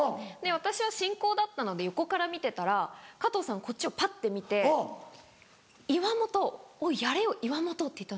私は進行だったので横から見てたら加藤さんこっちをぱって見て「岩本おいやれよ岩本」って言ったんですよ。